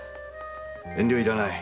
遠慮はいらない。